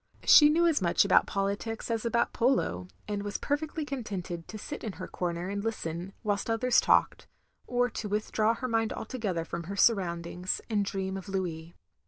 She knew as much about politics as about polo, and was perfectly contented to sit in her comer and listen, whilst others talked; or to withdraw her mind altogether from her surroimdings, and dream of Louis.